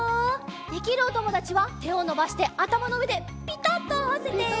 できるおともだちはてをのばしてあたまのうえでピタッとあわせて！